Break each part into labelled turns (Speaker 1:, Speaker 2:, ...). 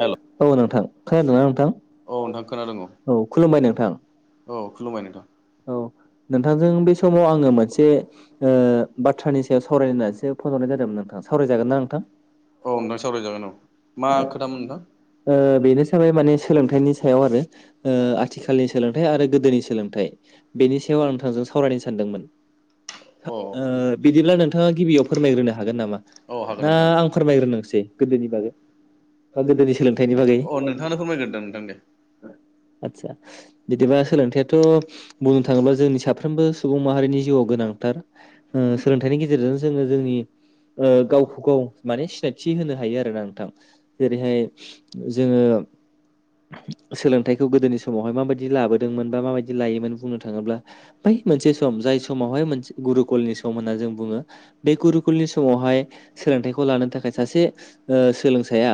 Speaker 1: हेल'
Speaker 2: औ नोंथां खोनादोंना नोंथां
Speaker 1: औ नोंथां खोनादों
Speaker 2: औ खुलुमबाय नोंथां
Speaker 1: औ खुलुमबाय नोंथां
Speaker 2: औ नोंथांजों बे समाव आङो मोनसे ओ बाथ्रानि सायाव सावरायनो होननानैसो फन हरनाय जादोंमोन नोंथां सावरायजागोन ना नोंथां?
Speaker 1: औ नोंथाय सावरायजागोन औ। मा खोथामोन नोंथां
Speaker 2: ओ बेनो जाबाय माने सोलोंथाइनि सायाव आरो ओ आथिखालनि सोलोंथाइ आरो गोदोनि सोलोंथाइ बेनि सायाव आं नोंथांजों सावरायनो सानदोंमोन
Speaker 1: अ
Speaker 2: ओ बिदिब्ला नोंथाङा गिबियाव फोरमायग्रोनो हागोन नामा
Speaker 1: औ हागोन
Speaker 2: ना
Speaker 1: नोंथां
Speaker 2: आं फोरमायग्रोनोसै गोदोनि बागै बा गोदोनि सोलोंथाइनि बागै
Speaker 1: अ नोंथाङानो फोरमायग्रोदो नोंथां दे
Speaker 2: आदसा बिदिबा सोलोंथायाइथ' बुंनो थाङोब्ला जोंनि साफ्रोमबो सुबुं माहारिनि जिउआव गोनांथार उम सोलोंथाइनि गेजेरजों जोङो जोंनि ओ गावखौ गाव माने सिनायथि होनो हायो आरोना नोंथां जेरैहाय जोङो सोलोंथाइखौ गोदोनि समावहाय माबायदि लाबोदोंमोन बा माबायदि लायोमोन बुंनो थाङोब्ला बै मोनसे सम जाय समावहाय मोनसे गुरुकुलनि सम होनना जों बुङो। बे गुरुकुलनि समावहाय सोलोंथाइखौ लानो थाखाय सासे ओ सोलों साया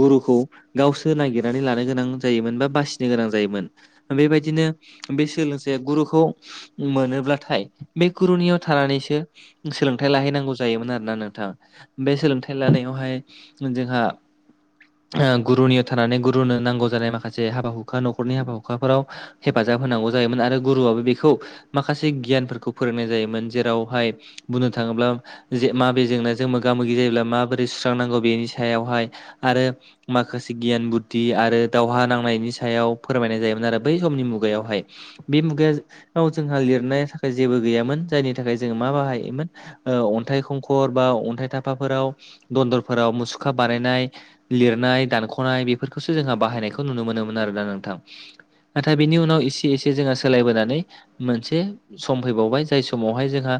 Speaker 2: गुरुखौ गावसो नागिरनानै लानो गोनां जायोमोन बा बासिनो गोनां जायोमोन। बेबायदिनो बे सोलोंसाया गुरुखौ मोनोब्लाथाय बे गुरुनियाव थानानैसो सोलोंथाइ लाहैनांगौ जायोमोन आरोना नोंथां बे सोलोंथाइ लानायावहाय जोंहा ओ गुरुनियाव थानानै गुरुनो नांगौ जानाय माखासे हाबा हुखा न'खरनि हाबा हुखाफोराव हेफाजाब होनांगौ जायोमोन आरो गुरुआबो बेखौ माखासे गियानफोरखौ फोरोंनाय जायोमोन जेरावहाय बुंनो थाङोब्ला जे माबे जेंनाजों मोगा मोगि जायोब्ला माबोरै सुस्रांनांगौ बेनि सायावहाय आरो माखासे गियान बुद्धि आरो दावहा नांनायनि सायाव फोरमायनाय जायोमोन आरो बै समनि मु गायावहाय बे मुगाया याव जोंहा लिरनाय थाखाय जेबो गैयामोन जायनि थाखाय जों मा बाहायोमोन ओ अन अन्थाइ खंखर बा अन्थाइ थाफाफोराव दन्दरफोराव मुसुखा बानायनाय लिरनाय दानख'नाय बेफोरखौसो जोंहा बाहायनायखौ नुनो मोनोमोन आरोना नोंथां नाथाय बिनि उनाव एसे एसे जोङो सोलायबोनानै मोनसे सम फैबावबाय जाय समावहाय जोंहा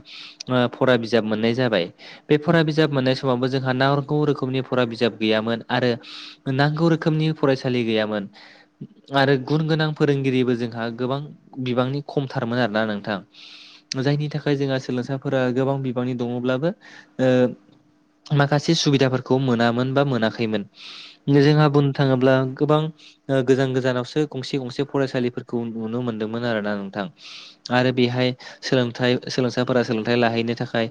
Speaker 2: ओ फरा बिजाब मोननाय जाबाय बे फरा बिजाब मोननाय समावबो जोंहा नांगौ रोखोमनि फरा बिजाब गैयामोन आरो नांगौ रोखोमनि फरायसालि गैयामोन। आरो गुन गोनां फोरोंगिरिबो जोंहा गोबां बिबांनि खमथारमोन आरोना नोंथां। जायनि थाखाय जोंहा सोलोंसाफोरा गोबां बिबांनि दङब्लाबो ओ माखासे सुबिदाफोरखौ मोना बा मोनाखैमोन जोंहा बुंनो थाङोब्ला गोबां गोजान गोजानावसो गंसे गंसे फरायसालिफोरखौ नुनो मोनदोंमोन आरो ना नोंथां आरो बेहाय सोलोंथाइ सोलोंसाफोरा सोलोंथायाइ लाहैनो थाखाय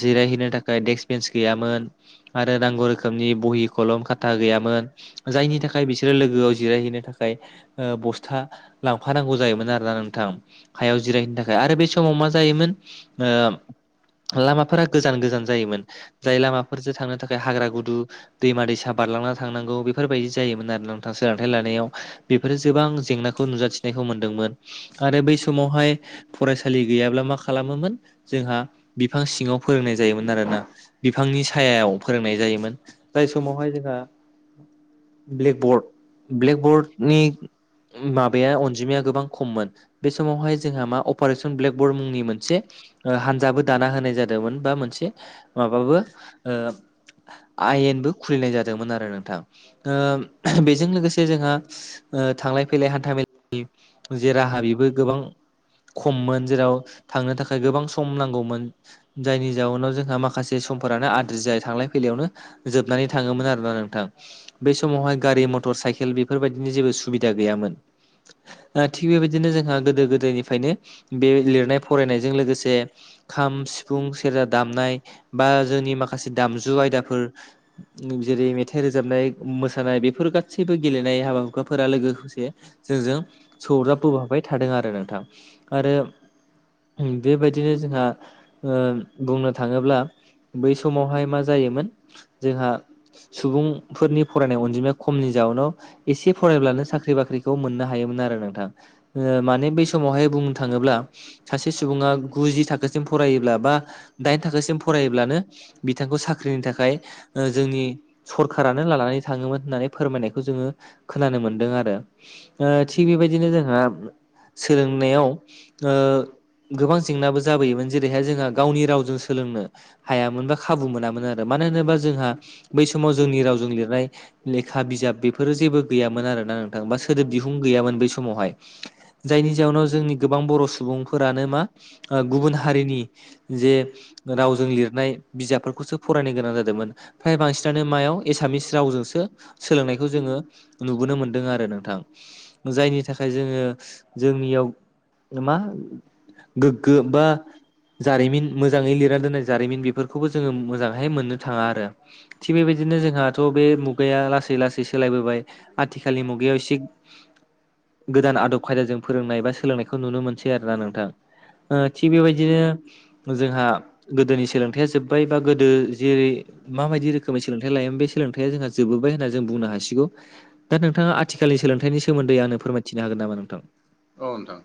Speaker 2: जिरायहैनो थाखाय डेक्क बेन्स गैयामोन आरो नांगुर रोखोमनि बहि खलम खाथा गैयामोन जायनि थाखाय बिसोरो लोगोआव जिरायहैनो थाखाय बस्था लांफानांगौ जायोमोन आरोना नोंथां हायाव जिरायहैनो थाखाय आरो बे समाव मा जायोमोन लामाफोरा गोजान गोजान जायोमोन जाय लामाफोरजों थांनो थाखाय हाग्रा गु ु दैमा दैसा बारलांना थांनांगौ बेफोरबायदि जायोमोन आरो नोंथां सोलोंथाइ लानायाव बेफोरो गोबां जेंनाखौ नुजाथिनायखौ मोनदोंमोन आरो बै समावहाय फरायसालि गैयाब्ला मा खालामोमोन जोंहा बिफां सिङाव फोरोंनाय जायोमोन आरोना बिफांनि सायाव फोरोंनाय जायोमोन जाय समावहाय जोंहा ब्लेकबर्ड ब्लेकबर्डनि माबाया अनजिमाया गोबां खममोन बे समावहाय जोंहा मा अपारेशन ब्लेकबर्ड मुंनि मोनसे हानजाबो दाना होनाय जादोंमोन बा मोनसे माबाबो आयेनबो खुलिनाय जादोंमोन आरो नोंथां बेजों लोगोसे जोंहा थांलाय फैलाय हान्था मेलानि जे राहा बेबो गोबां खममोन जेराव थांनो थाखाय गोबां सम नांगौमोन जायनि जाउनाव जोंहा माखासे समफोरानो आद्रि जायो थांलाय फैलायावनो जोबनानै थाङोमोन आरोोना नोंथां बे समावहाय गारि मटर साइकेल बेफोरबायदिनि जेबो सुबिदा गैयामोन थिग बेबायदिनो जोंहा गोदो गोदायनिफ्रायनो बे लिरनाय फरायनायजों लोगोसे खाम सिफुं सेरजा दामनाय बा जोंनि माखासे दाम जु आयदाफोर जेरै मेथाइ रोजाबनाय मोसानाय बेफोर गासैबो गेलेनाय हाबा हुखाफोरा लोगोसे जोंजों सौजाबबोाबाय थादों आरो नोंथां आरो बेबायदिनो जोंहा बुंनो थाङोब्ला बै समावहाय मा जायोमोन जोंहा सुबुंफोरनि फरायनाय अनजिमाया खमनि जाउनाव एसे फरायब्लानो साख्रि बाख्रि खौ मोननो हायोमोन आरो नोंथां माने ब समावहाय बुंनो थाङोब्ला सासे सुबुङा गुजि थाखोसिम फरायोब्ला बा दाइन थाखोसिम फरायोब्लानो बिथांखौ साख्रिनि थाखाय ओ जोंनि सरखारानो लानानै थाङोमोन होननानै फोरमायनायखौ जोङो खोनानो मोनदों आरो ओ थिग बेबायदिनो जोंहा सोलोंनायाव ओ गोबां जेंनाबो जाबोयोमोन जेरैहाय जोंहा गावनि रावजों सोलोंनो हायामोन बा खाबु मोनामोन आरो मानो होनोबा जोंहा बै समाव जोंनि रावजों लिरनाय लेखा बिजाब बेफोरो जेबो गैयामोन आरोना नोंथां बा सोदोब बिहुं गैयामोन बै समावहाय जायनि जाउनाव जोंनि गोबां बर' सुबुंफोरानो मा ओ गुबुन हारिनि जे रावजों लिरनाय बिजाबफोरखौसो फरायनो गोनां जादोंमोन फ्राय बांसिनानो मायाव एसामिस रावजोंसो सोलोंनायखौ जोङो नुबोनो मोन्दों आरो नोंथां जायनि थाखाय जोङो जोंनियाव मा गोग्गो बा जारिमिन मोजाङै लिरना दोननाय जारिमिन बेफोरखौबो जोङो मोजांहाय मोननो थाङा आरो थिग बेबायदिनो जोंहाथ' बे मुगाया लासै लासै सोलायबोबाय आथिखााललि मुगायाव एसे गोदान आदब खायदाजों फोरोंनाय बा सोलोंनायखौ नुनो मोनसै आरो ना नोंथां ओ थिग बेबायदिनो जोंहा गोदोनि सोलोंथाइया जोब्बाय बा गोदो जेरै माबायदि रोखोमै सोलोंथाइ लायोमोन बे सोलोंथाइया जोंहा जोबोबाय होनना जों बुंनो हासिगौ। दा नोंथाङा आथिखालनि सोलोंथाइ सोमोन्दै आंनो फोरमायथिनो हागोन नामा नोंथां?
Speaker 1: औ नोंथां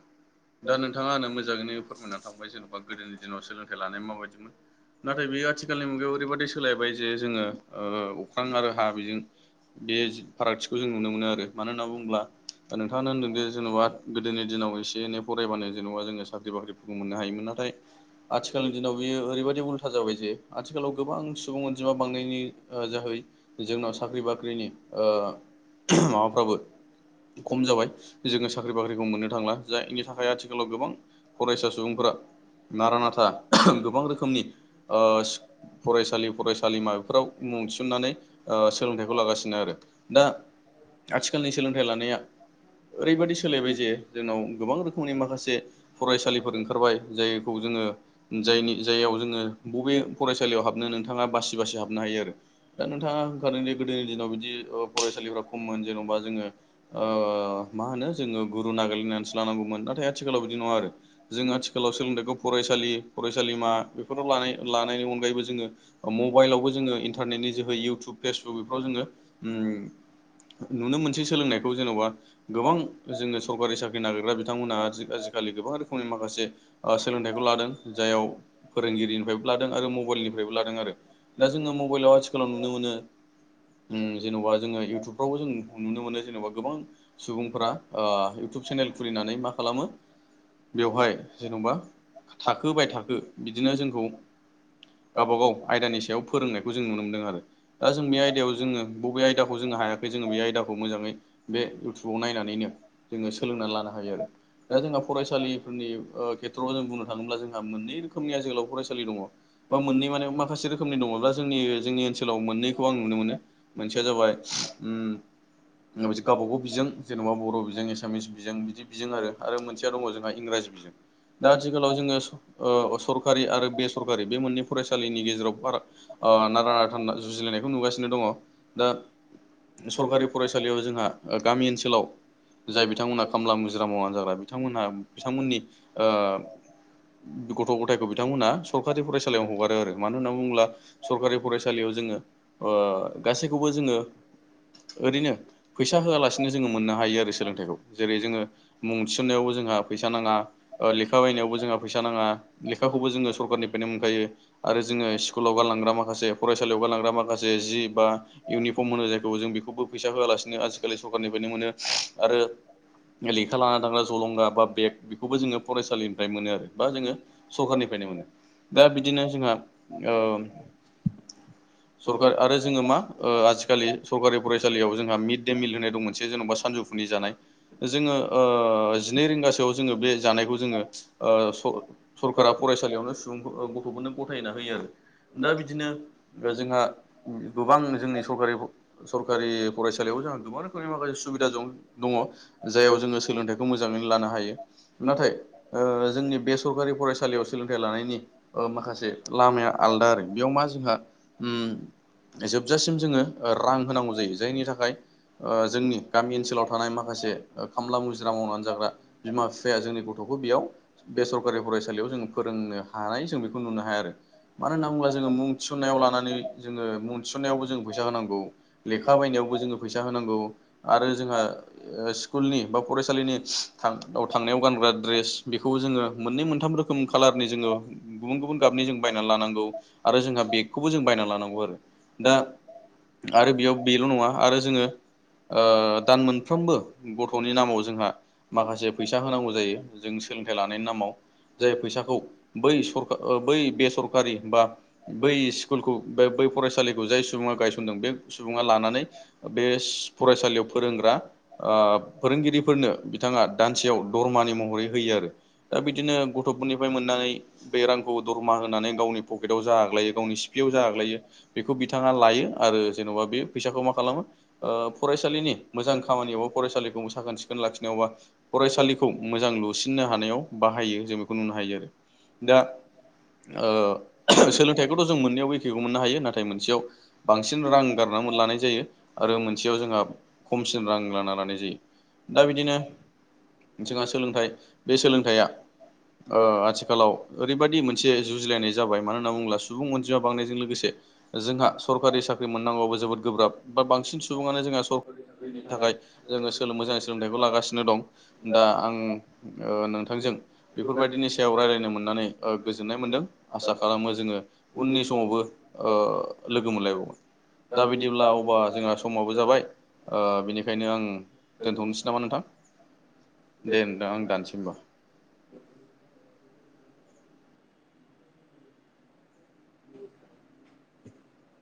Speaker 1: दा नोंथाङा आंनो मोजाङैनो फोरमायना थांबाय जेन'बा गोदोनि दिनाव सोलोंथाइ लानाया माबायदिमोन। नाथाय बे आथिखालनि मुगायाव ओरैबायदि सोलायबाय जे जोङो ओ अख्रां आरो हा बेजों बे फारागथिखौ जों नुनो मोनो आरो मानो होनना बुङोब्ला दा नोंथाङानो होनदोंदि जेन'बा गोदोनि दिनाव एसे एनै फरायबानो जेन'बा जोङो साख्रि बाख्रिफोरखौ मोननो हायोमोन नाथाय आथिखालनि दिनाव बियो ओरैबायदि उल्था जाबाय जे आथिखालाव गोबां सुबुं अनजिमा बांनायनि ओ जोहै जोंना साख्रि बाख्रिनि ओ माबाफ्राबो खम जाबाय जोङो सा साख्रि बाख्रिखौ मोननो थांला जायनि थाखाय आथिखालाव गोबां फरायसा सुबुंफोरा नारा नाथा [unintelligible] गोबां रोखोमनि ओ फरायसालि फरायसालिमा बेफोराव मुं थिसननानै ओ सोलोंथाइखौ लागासिनो आरो दा आथिखालनि सोलोंथाइ लानाया ओरैबायदि सोलायबाय जे जोंनाव गोबां रोखोमनि माखासे फरायसालिफोर ओंखारबाय जायखौ जोङो जायनि जायाव जोङो बबे फरायसालियाव हाबनो नोंथाङा बासि बासि हाबनो हायो आरो। दा नोंथाङा होनखादों जे गोदोनि दिनाव बिदि ओ फरायसालिफ्रा खममोन जेन'बा जोङो ओ मा होनो जोङो गुरु नागिरलायनानैसो लानांगौमोन नाथाय आथिखालाव बिदि नङा आरो जों आथिखालाव सोलोंथाइखौ फरायसालि फरायसालिमा बेफोराव लानाय लानायनि अनगायैबो जोङो मबाइलावबो जोङो इन्टारनेटनि जोहै इउटुब फेसबुक बेफोराव जोङो उम नुनो मोनसे सोलोंनायखौ जेन'बा गोबां जोङो सरकारि साख्रि नागिरग्रा बिथांमोनहा आजि आजिखालि गोबां रोखोमनि माखासे ओ सोलोंथाइखौ लादों। जायाव फोरोंगिरिनिफ्रायबो लादों आरो मबाइलनिफ्रायबो लादों आरो दा जोङो मबाइलाव आथिखालाव नुनो मोनो। उम जेन'बा जोङो इउटुबफ्रावबो जों नुनो मोनो जेनेबा गोबां सुबुंफोरा ओ इउटुब चेनेल खुलिनानै मा खालामो बेवहाय जेनेबा थाखो बाय थाखो बिदिनो जोंखौ गावबागाव आयदानि सायाव फोरोंनायखौ जों नुनो मोनदों आरो। दा जों बे आयदायाव जोङो बबे आयदाखौ जोङो हायाखै जोङो बे आयदाखौ मोजाङै बे इउटुबाव नायनानैनो जोङो सोलोंनानै लानो हायो आरो दा जोंहा फरायसालिफोरनि ओ खे थ जों बुंनो थाङोब्ला जोंहा मोननै रोखोमनि आ जोहोलाव फरायसालि दङ। बा मोननै माने माखासे रोखोमनि दङब्ला जोंनि जोंनि ओनसोलाव मोननैखौ आं नुनो मोनो। मोनसेया जाबाय उम गावबा गाव बिजों जेन'बा बर' बिजों एसामिस बिजों बिदि बिजों आरो आरो मोनसेया दङ जोंहा इंराजि बिजों दा आथिखालाव जोङो स ओ सरखारि आरो बेसरकारि बे मोननै फरायसालिनि गेजेराव फारा ओ नारा नाथा जुजिलायनायखौ नुगासिनो दङ दा सरकारि फरायसालियाव जोंहा ओ गामि ओनसोलाव जाय बिथांमोनहा खामला मुजिरा मावनानै जाग्रा बिथांमोनहा बिथांमोननि ओ गथ' गथायखौ बिथांमोना सरकारि फरायसालियाव हगारो आरो मानो होनना बुङोब्ला सरखारि फरायसालियाव जोङो ओ गासैखौबो जोङो ओरैनो फैसा होआलासिनो जोङो मोननो हायो आरो सोलोंथाइखौ जेरै जोङो मुं थिसननायावबो जोंहा फैसा नाङा। ओ लेखा बायनायावबो जोंहा फैसा नाङा लेखाखौबो जोङो सरखारनिफ्रायनो मोनखायो आरो जोङो स्कुलाव गानलांग्रा माखासे फरायसालियाव गानलांग्रा माखासे जि बा इउनिफर्म होनो जायखौ जों बेखौबो फैसा होआलासिनोबो आ आजिखालि सरखारनिफ्रायनो मोनो आरो लेखा लाना थांग्रा जलंगा बा बेग बेखौबो जोङो फरायसालिनिफ्राय मोनो आरो बा जोङो सरखारनिफ्रायनो मोनो। दा बिदिनो जोंहा ओ
Speaker 2: [inaudible]
Speaker 1: सरकार आरो जोङो मा ओ आजिखालि सरकारि फरायसालियाव जोंहा मिड दे मिल होनाय दं मोनसे जेन'बा सानजौफ फुनि जानाय जोंङो ओ जिनै रिंगास सोआव जोङो बे जानायखौ जोङो ओ स सरकारा फरायसालियावनो सुबुंफो गथ'फोरनो गथायना होयो आरो दा बिदिनो ओ जोंहा गोबां जोंनि सरकारि फ सरकारि फरायसालियावबो जोंहा गोबां रोखोमनि माखासे सुबिदा दं। दङ जायाव जोङो सोलोंथाइखौ मोजाङैनो लानो हायो। नाथाय ओ जोंनि बेसरकारि फरायसालियाव सोलोंथाइ लानायनि ओ माखासे लामाया आलादा आरो बेयाव मा जोंहा उम जोबजासिम जोङो रां होनांगौ जायो जायनि थाखाय ओ जोंनि गामि ओनसोलाव थ थानाय माखासे खामला मुजिरा मावनानै जाग्रा बिमा फ जाया जोंनि गथ'खौ बेयाव बेसरकारि फरायसालियाव जों फोरोंनो हानाय जों बेखौ नुनो हाया आरो। मानो होनना बुङोब्ला जोङो मुं थिसन्नायाव लानानै जोङो मुं थिसन्नायावबो जों फैसा होनांगौ।
Speaker 2: लेखा बिलाइनि
Speaker 1: जोङो फैसा होनांगौ आरो जोंहा ओ स्कुलनि बा फरायसालिनि थां औ थांनायाव गानग्रा ड्रेस बेखौबो जोङो मोननै मोनथाम रोखोम कालारनि जोङो गुबुन गुबुन गाबनि जों बायना लानांगौ आरो जोंहा बेगखौबो जों बायना लानांगौ आरो दा आरो बेयाव बेल' नङा आरो जोङो ओ दान मोन फ्रोमबो गथ'नि नामाव जोंहा माखासे फैस सा होनांगौ जायो जों सोंथाइ लानायनि नामाव जाय फैसाखौ बै सरका बै बेसरकारि बा बै स्कुलखौ बे बै फरायसालिखौ जाय सुबुङा गायसनदों बे सुबुङा लानानै बेस फरायसालियाव फोरोंग्रा ओ फोरोंगिरिफोरनो बिथाङा दानसेयाव दरमानि महरै होयो आरो दा बिदिनो गथ'फोरनिफ्राय मोननानै बे रांखौ दरमा होनानै गावनि पकेटाव जा आग्लायो गावनि सिफियाव जा आग्लायो बेखौ बिथाङा लायो आरो जेन'बा बे फैसाखौ मा खालामो ओ फरायसालिनि ओ मोजां खामानियावब फरायसालिखौ साखोन सिखोन लाखिनायावबा फरायसालिखौ मोजां लुसिननो हानायाव बाहायो जों बेखौ नुनो हायो आरो दा ओ सोलोंथाइखौथ' जों मोननैयावबो एखेखौ मोननो हायो नाथाय मोनसेयाव बांसिन रां गारनानै लानाय जायो आरो मोनसेयाव जोंहा सिन रां लालानानैजायो दा बिदिनो जोंहा सोलोंथाइ बे सोलोंथाइया ओ आथिखालाव ओरैबायदि मोनसे जुजिलायनाय जाबाय मानो होनना बुङोब्ला सुबुं अनजिमा बांनायजों लोगोसे जोंहा सरकारि साख्रि मोननांगौबो जोबोद गोब्राब बा बांसिन सुबुङानो जोंहा सर थाखाय जोङो सोलो मोजाङै सोलोंथाइखौ लागासिनो दं दा आं ओ नोंथांजों बेफोरबायदिनि सायाव रायज्लायनो ओ मोननानै गोजोननाय मोन्दों आसा खालामो जोङो उननि समावबो ओ लोगो मोनलायबावोन।
Speaker 2: [unintelligible]
Speaker 1: बा जोंहा समावबो जाबाय बेनिखायनो आं दोनथ'नोसै नामा नोंथां। दे नोंथां आं दानोसै होनबा।
Speaker 2: उ [inaudible]